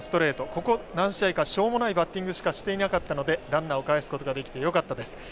ここ何試合かしょうもないバッティングしかしてなかったのでランナーをかえすことができてよかったです。